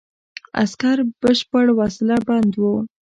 عسکر بشپړ وسله بند وو.